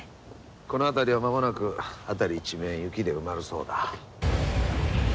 この辺りは間もなく辺り一面雪で埋まるそうだ。